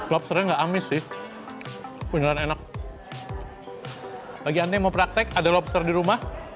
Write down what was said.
lobsternya enggak amis sih beneran enak bagiannya mau praktek ada lobster di rumah